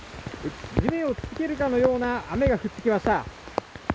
地面を打ちつけるかのような雨が降ってきました。